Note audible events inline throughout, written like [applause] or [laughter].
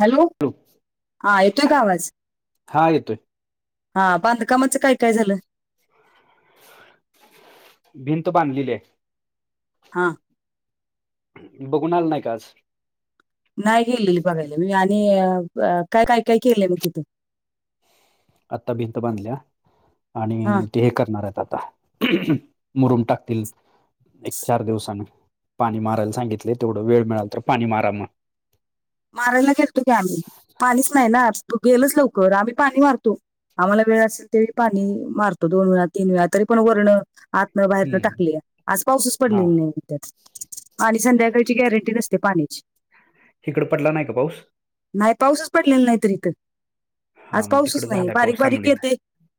Hello ह येतोय का आवाज? हा येतोय हा बांधकामाचं काय काय झालं? भिंत बांधलेली ये. हा बघुून आला नाही का आज नाही गेलेली बघायला मी आणि काय, काय, काय केलंय मग तिथ आत्ता भिंत बांधल्या हा आणि ते हे करणार आहेत आता मुरूम टाकतील एक चार दिवसान पाणी मारायला सांगितले तेवढं वेळ मिळाल तर पाणी मारा मग मारायला घेेलतो की आम्ही पाणीच नाही ना गेलोच लवकर आम्ही पाणी मारतो आम्हाला वेळ असेल तेळी पाणी मारतो दोन वेळा, तीन वेळा तरी पण वरणं आत आतन, हम्म, बाहेरन हम्म. टाकली आज पाऊसच हा पडलेली नाही त्यात आणि संध्याकाळची गॅरंटी नसते पाण्याची हिकडं पटला नाही का पाऊस नाही पाऊसच पडलेला नाहीत इथं हा आज मग पाऊसच तिकडे नाही झालाय बारीक, पाऊस बारीक सांगलीत येतय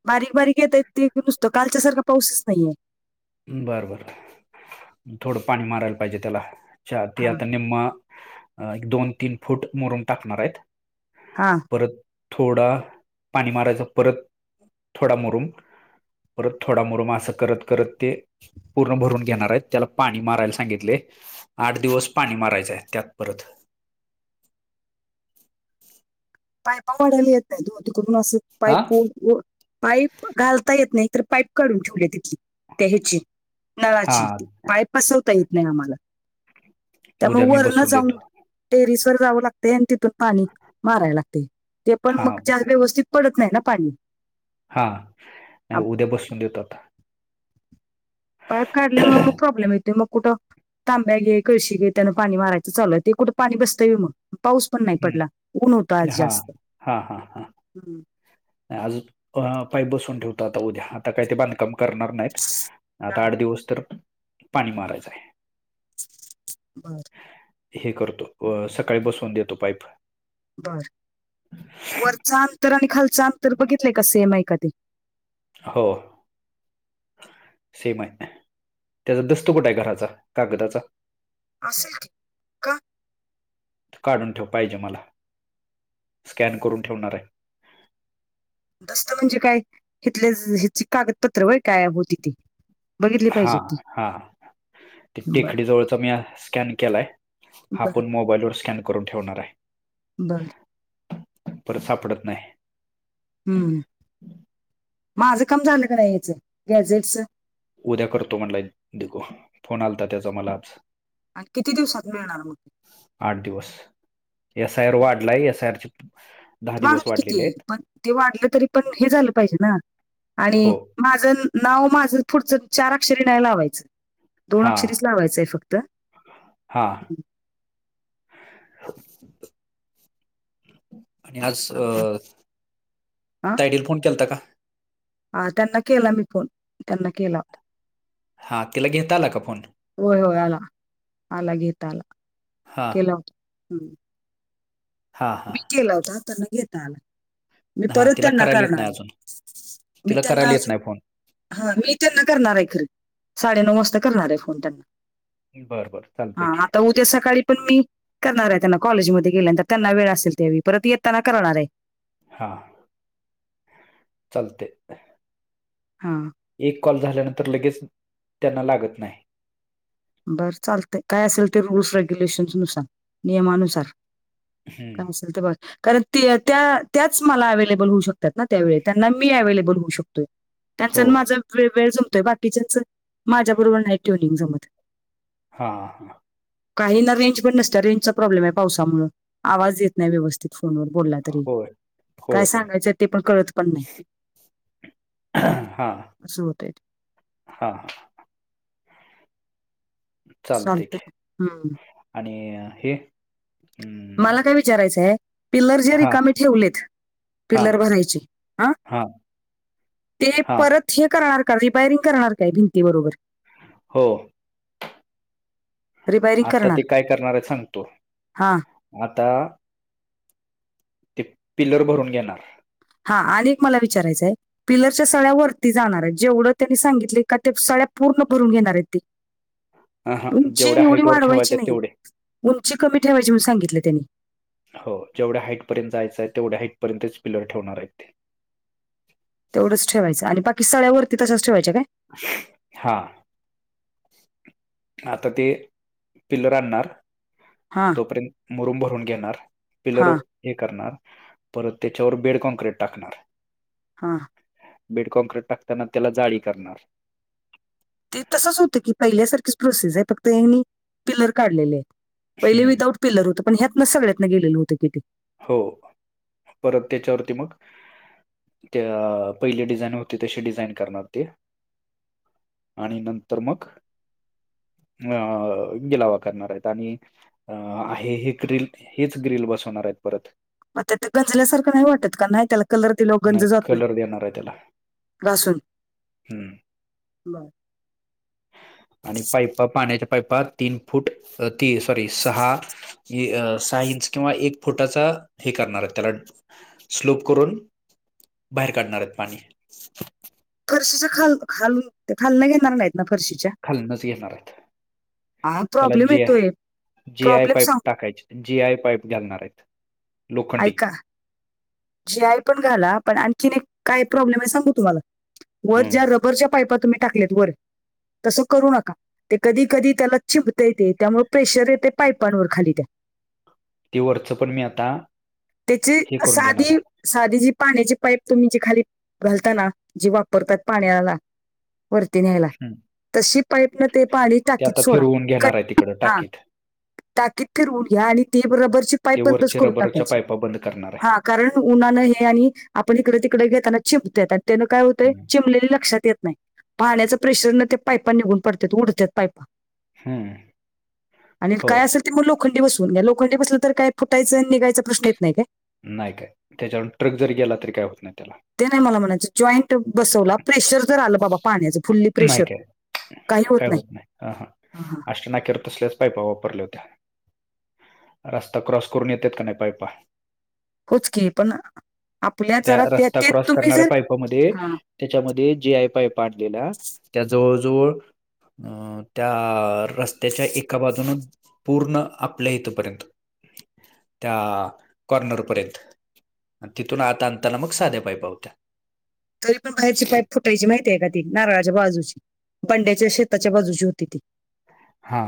बारीक, बारीक येत ते नुसतं कालच्यासारखा पाऊसच नाहीये बरं, बर थोडं पाणी मारायला पाहिजे त्याला ते हा आता निम्म अ एक, दोन, तीन फुट मुरुम टाकणार आहेत हा परत थोडा पाणी मारायच परत थोडा मुरुम परत थोडा मुरम असं करत, करत ते पूर्ण भरून घेणार आहेत त्याला पाणी मारायला सांगितलय आठ दिवस पाणी मारायचंय त्यात परत पाईपा वढायला येत नाही म तिकडून असं हा पाईप [unintelligible] पाईप घालता येत नाही तर पाईप काढून ठेवली तिथली त्या ह्याची हा नळाची पाईप बसवता येत नाही आम्हाला त्यामुळ उद्या मी वरन बसून जाऊन देतो टेरिस व जावं लागतय आणि तिथून पाणी माराय लागतय ते पण हा मग चार व्यवस्थित पडत नाही ना पाणी हा नाही आप- उद्या बसून देतो आता पाईप काढल्यामुळे मग प्रॉब्लेम येतय मग कुठं तांब्या घे कळशी ग घे त्यान पाणी मारायचं चालूय ते कुठं पाणी बसतय म मग पाऊस पण नाही पडला ऊन होत आज हा जास्त हा हा हा आज पाईप बसून ठेवतो आता उद्या आता काय ते बांधकाम करणार नाहीत आता आठ दिवस तर पाणी मारायचं आहे बघ हे करतो अ सकाळी बसवून देतो पाईप बर वरच अंतर आणि खालच अंतर बघितलंय का सेम आहे का ते हो सेम आहेत त्याचा दस्त कुठंय आहे घराचा कागदाचा असल की का काढून ठेव पाहिजे मला स्कॅन करून ठेवणार आहे दस्त म्हणजे काय हिथले ह्याची कागदपत्र वय काय होती ते हा, हा बर टेकडी जवळचा मी स्कॅन केलाय हा बर आपण मोबाईल वर स्कॅन करून ठेवणार आहे बरं परत सापडत नाही हम्म माझं काम झालं का नाही याचं गॅझेटच उद्या करतो म्हटलाय दिघू फोन आलता त्याचा मला आज. अन् किती दिवसात मिळणार मग? आठ दिवस एस आय आर वाढलाय एस आय आर ची वाढूदि की ती पण ते वाढलं तरी पण हे झालं पाहिजे ना आणि हो माझं नाव माझं पुढचं चार अक्षरी नाय लावायचं. दोन हा अक्षरीच लावायचंय फक्त? हा आणि आस हा तायडीला फोन केलाता का? हा त्यांना केला मी फोन त्यांना केला हुता. हा तिला घेता आला का फोन? होय होय आला आला घेता आला हा केला हम्. हां हां. केला होता त्यांना घेता आला. मी हा परत तिला त्यांना करायला येत नाही करणार अजून मी तिला त्यांना करायला येत अजून नाही फोन हा मी त्यांना करणार आय खर साडेनऊ वाजता करणार आय फोन त्यांना. बर बर चालते हा की. आता उद्या सकाळी पण मी करणार आय त्यांना कॉलेजमध्ये गेल्यानंतर त्यांना वेळ असेल त्या वेळी परत येताना करणार आय. हां. चालतय. हा. एक कॉल झाल्यानंतर लगेच त्यांना लागत नाय. बरं चालतंय काय असेल ते रुल्स रेग्युलेशन्स नुसार नियमानुसार. हं. [inaudible] कारण त्या- त्याच मला अवेलेबल होऊ शक त्यात ना त्या वेळी त्यांना अवेलेबल होऊ शकतोय हो. त्यांचन माझं वेळ जमतोय बाकीच्याच माझ्या बरोबर नाय ट्युनिंग जमत. हां. काही ना रेंज पण नसतीया रेंजचा प्रॉब्लेम आय पावसामुळ आवाज येत नाय व्यवस्थित फोनवर बोलत होय. होय, काय होय. सांगायचं ते पण कळत पण नाय. हा असं होतंय हा. चालतय चालतंय की हम्म. आणि हे मला अं, काय विचारायचंय पिल्लर जे हां, रिकामीे ठेवलेत हां, पिल्लर भरायचे आ हां, ते हां. परत हे करणार का रिबायरिंग करणार काय भिंती बरोबर? हो. रिपायरिंग आता करणार ती काय करणार आयत सांगतो हा आता ती पिल्लर भरून घेणार. हा आणि एक मला विचारायचंय? पिलरच्या सळ्या वरती जाणार आयत जेवढं त्यांनी सांगितले का ते सळ्या पूर्ण भरून घेणार हायत ती? हां, हां. उंची जेवढ्या एवढी हाईटवर वाढवायची ठेवायचे आहेत नाय तेवढे. उंची कमी ठेवायची म्हणून सांगितलं त्यांनी. हो जेवढ्या हाईटपर्यंत जायंय आय तेवढ्या हाईटपर्यंतच पिलर ठेवणार हायत ते. तेवढंच ठेवायचं आणि बाकी सळ्यावरती तसंच ठेवायच्या काय? हा. आता ते पिल्लर आणणार. हा तोपर्यंत मुरूम भरून घेणार पिलर हा हे करणार परत त्याच्यावर बेड कॉनक्रीट टाकणार. हा. बेड काँक्रीट टाकताना त्याला जाळी करणार. ते तसंच होतं की. पहिल्यासारखीच प्रोसेसय. फक्त हेनि, पिलर काढलेलेयत. पहिले हम्म विदाउट पिलर होतं. पण ह्यातनंच, सगळयातन गेलेल होतं कि ते. हो. परत त्याच्यावरती मग त्या, पहिली डिझाईन होती. तशी डिझाईन करणार ते. आणि नंतर मग अ गिलावा करणारायत आणि अ आहे हे ग्रील. हेच ग्रिल बसवणारायत परत. मग त्या आता गंजल्यासारखं नाही वाटत का? नाही त्याला कलर दिलेवर न गंज जात कलर देणाराय त्याला. घा. हम्म बर. आणि पाईपा - पाण्याच्या पाईपात, तीन फूट. ती सॉरी सहा सहा इंच किंवा एक फुटाचा, हे करणारयत त्याला स्लोप करून, बाहेर काढणारयत पाणी. फरशीचा खाल- खालून, ते खालनं घेणार नाहीत ना, फरशीच्या? खालणच घेणारायत. हा त्याला प्रॉब्लेम जी आय, येतोय जी आय प्रॉब्लेम पाईप सांग टाकायचे. जी आय पाईप घालणारयत. लोखंडी. ऐका जी आय पण घाला. पण आणखीन एक, काय प्रॉब्लेमय? सांगू तुम्हाला? वर हम्म. ज्या रबरच्या पायपा, तुम्ही टाकलेत वर. तसं, करू नका. ते कधी - कधी त्याला चिबतय ते. त्यामुळे प्रेशर येतय पायपांवर खाली त्या. ती वरचं पण मी आता. त्याची ही, करून साधी घेणाराय. साधी जी पाण्याची पाईप, तुम्ही जी खाली घालता ना. जी वापरतात पाण्याला. वरती घ्यायला. हम्म. तशी पाईपन, ते पाणी ते टाकीत आता सोडा. फिरवून का घेणार आहे तिकडं [unintelligible] हा. टाकीत टाकीत फिरवून घ्या. आणि ती रबरची पाईप ते बंदच वरचे करून रबरच्या टाकायची. पाईपा बंद करणार आहे हा. कारण उन्हानं हे, आणि आपण इकडे - तिकडे घेताना, चिंबत्यात. त्यानं काय होतय. हम्म चिमलेले लक्षात येत नाही. पाण्याच प्रेशर न ते पायपा निघून पडतात. उडतात पायपा. हम्म. आणि हो काय असं ती मग लोखंडी बसवून घ्या. लोखंडी बसलं तर काय फुटायंचं, निघायचा प्रश्न येत नाही. काय? नाही काय. त्याच्यावर ट्रक जर गेला, तरी काय होत नाही त्याला. ते नाही मला म्हणायचं. जॉईंट बसवला. प्रेशर जर आलं बाबा पाण्याचं. फुल्ली नाही प्रेशर काय काय होत नाही. अ, ह. हा, हा. अष्ट नाक्यावर तसल्याच पायपा वापरल्या होत्या. रस्ता क्रॉस करून, येतेत का नाही पायपा. होच की. पण आपल्या जरा, त्या रस्ता ते क्रॉस तुम्ही करणाऱ्या जर. पाईपामध्ये हा. त्याच्यामध्ये जी आय पाईप आणलेला. त्या जवळ - जवळ अ त्या, रस्त्याच्या एका बाजून पूर्ण आपल्या इथपर्यंत. त्या कॉर्नरपर्यंत. अन् ती तून आत आनताना, मग साध्या पायपा होत्या. तरी पण, बाहेरची पायप फूट टायची माहितीय का, ती? नारळाच्या बाजूची. बंड्याच्या शेताच्या बाजूची होती ती. हा.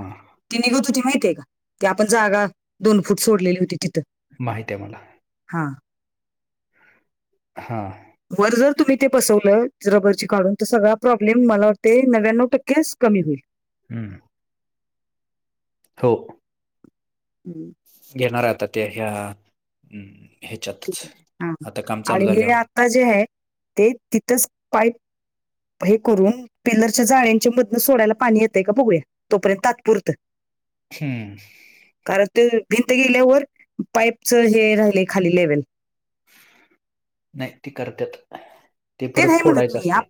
ती निघत होती माहतीेय का? ती आपण जागा, दोन फूट सोडलेली होती तिथं. माहित्याय मला. हा. हां. वर जर तुम्ही ते बसवलं रबरची काढून तर सगळा प्रॉब्लेम मला वाटते नव्याण्णव टक्केच कमी होईल. हम्म. हो. हम. घेणार आहे आता ते हया ठीक ह्याच्यातच आहे. हां. आता काम चालू आणि हे झाल्यावर. आता जे आहे. ते तिथच पाईप हे करून, पिल्लरच्या जाळ्याच्या मधनं सोडायला पाणी येतंय का. बघूया तोपर्यंत तात्पुरतं. हम्म. कारण ते भिंत गेल्यावर पाईपच हे राहिले. खाली लेवल नाही ते करतात. ते परत फोडायचं असते.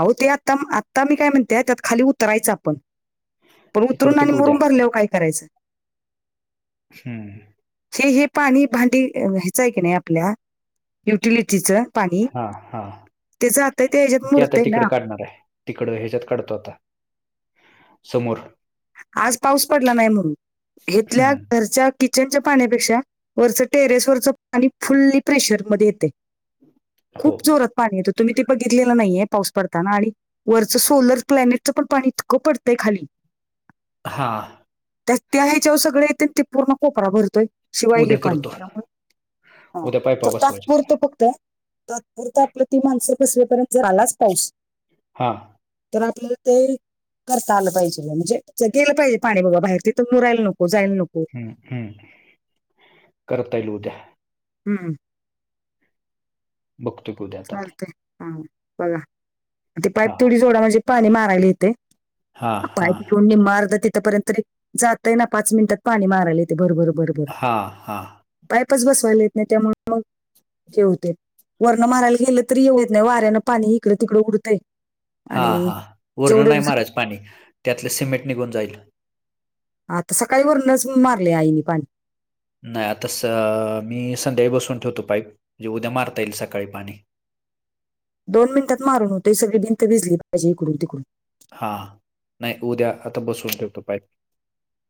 आहो ते आता आता मी काय म्हणतेय त्यात खाली उतरायचं आपण पण ती उतरून करतो आणि की उद्या मुरूम भरल्यावर काय करायचं. हम्म हे हे पाणी भांडी ह्यायचंय की नाही आपल्या युटिलिटीचं पाणी हा हा ते जात आहे, ह्याच्यात ते आता मुरतंय ना तिकड काढणार आहे. तिकडं हेच्यात काढतो आता समोर. आज पाऊस पडला नाही म्हणून, घेतल्या हम्म घरच्या किचनच्या पाण्यापेक्षा वरचं टेरेसवरचं पाणी फुल्ली प्रेशरमध्ये येते. हो खूप जोरात पाणी येत. तुम्ही ते बघितलेलं नाहीये. पाऊस पडताना आणि वरचं सोलर प्लॅनेटचं पण पाणी इतकं पडतंय खाली. हा. त्या त्या ह्याच्यावर सगळे येत्यात ते पूर्ण कोपरा भरतोय. शिवायले उद्या पाणी करतो हा उद्या पायपा बसवायच्या त्या तात्पुरत फक्त तात्पुरत आपलं ती माणसं बसावेपर्यंत झालाच पाऊस. हा. तर आपल्याला ते करता आलं पाहिजे. म्हणजे गेलं पाहिजे. पाणी बाबा बाहेर तिंथ वर यायला नको जायला नको. हम्म हम्म करता येईल उद्या. हम्म. बघतो की उद्या, आता ते चालते. हा बघा. ते पाईप हा थोडी जोडा म्हणजे पाणी मारायला येते. हा हा पाईप घेऊन निम्म अर्ध तिथं पर्यंत तरी. जातय ना. पाच मिनिटात पाणी मारायला येतेे भरभर भर. हां हां. पाईप च बसवायला येत नाही. त्यामुळे मग ते हे होते. अन मारायला गेलं तरी हे होत नाही. वाऱ्यांन पाणी इकडे तिकडे उडतंय. हा आणि हा वरनं जेवढं नाही मारायच पाणी त्यातलं सिमेंट निघून जाईल. आता सकाळी वरूनच मारले आईन पाणी. नाही. आता स मी संध्याकाळी बसून ठेवतो पाईप. म्हणजे उद्या मारता येईल सकाळी पाणी. दोन मिनिटात मारून होतय. ह सगळी भिंत भिजली पाहिजे इकडून तिकडून. हा नाही उद्या आता बसून ठेवतो पाईक.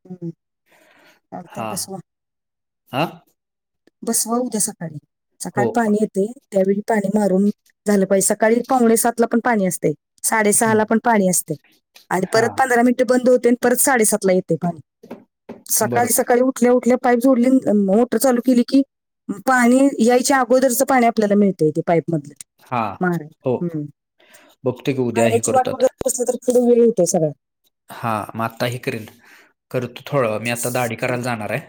हम्म. चालतंय हा बसवा. हा. बसवा मग उद्या सकाळी हो सकाळी पाणी येते. त्यावेळी पाणी मारून झालं पाहिजे सकाळी पावणे सात ला पण पाणी असते. साडेसहा हम्म, ला पण पाणी असते आणि हा परत पंधरा मिनिटे बंद होते आणि परत साडेसात ला येते पाणी. बरोबर सकाळी-सकाळी उठल्या-उठल्या पाईप जोडली मोटर चालू केली कि पाणी यायच्या अगोदरचं पाणी आपल्याला मिळत. पाईप मधली हा मारा, हो बघतो की उद्या हे पाण्याची वाट करतो बघत आता बसली तर [unintelligible] वेळ होते सगळं. हा मग आताही करीन करतो थोडं मी आता दाढी करायला जाणार आहे.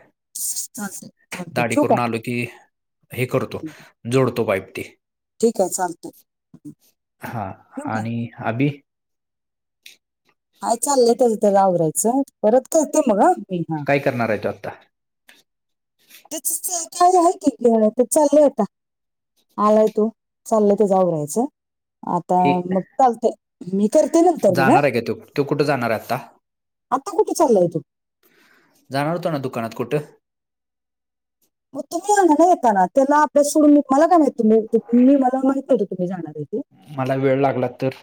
चालतंय चालतंय दाढी ठेवू का करून आलो की हे करतो हं. जोडतो पाईप ती. ठीक आहे चालत. [inaudible] हा आणि आदी हाय चालय [unintelligible] आवरायचं परत करते मग. मी हा काय करणार आहे तो आता? [unintelligible] आहे की ते चाललंय आता. आलाय तो चाललय तेझा आवरायचं. आता एक मग चालते मी करते नंतर मग‌ हा. जाणार आहे का तो तो कुठं जाणार आहे आता [inaudible] आता कुठे चालय तो? जाणार होत ना दुकानात कुठे. मग तुम्ही आणा ना येताना त्याला अभ्यास सोडून म मला काय माह तु मी मला माहित नव्हतो तुम्ही जाणार आहेे. मला वेळ लागला तर?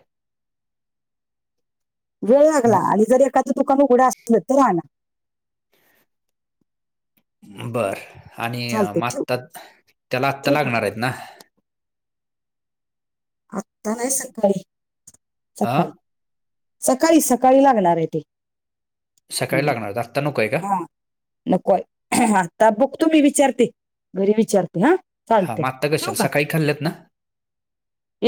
वेळ लागला आणि जर एखादं तुकानं उघडं असलं तर आणा. बर आणि चालतंय ठेव मता, त्याला आत्ता ठेव का लागणार मग? आहेत ना? आत्ता नाही सकाळी, हा सकाळी, सकाळी सकाळी लागणार आहे ते. सकाळी लागणार आत्ता नको आहे का? नकोय, ‌ आता बघतो मी विचारते घरी विचारते हा. हा चालते मग आत्ता ठेव कशाला का? सकाळी खाल्लेत ना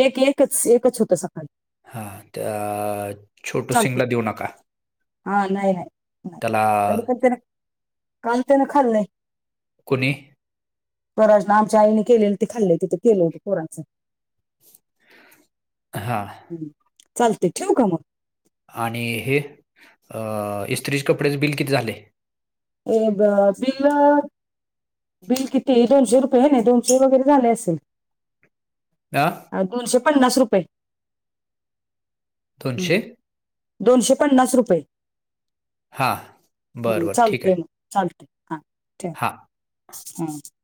एक एकच एकच होतं सकाळी. हा तर चालते हा नाही त्याला नाही [unintelligible] काही त्यानं खाल्ल. कोणी? परा आमच्या आईने केलेलं ते खाल्ले तिथे केलं होतं पोराचं. [inaudible] हां. चालते ठेव का मग? आणि हे अ इस्त्रीचे कपड्याचे बिल किती झाले? ए ब बिल बिल किती दोनशे रुपये आहे दोनशे वगैरे झाले असेल. आ? अ दोनशे पन्नास रुपये. हम्, दोनशे दोनशे पन्नास रुपये. हां. [inaudible] बरं, हम् बरं. ठीक चालतेय आहे. मग चालते. हा ठेव हां. हम.